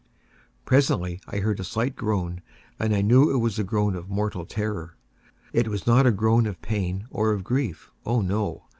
Presently I heard a slight groan, and I knew it was the groan of mortal terror. It was not a groan of pain or of grief—oh, no!